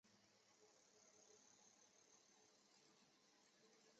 由其子朱诚澜承袭永兴郡王。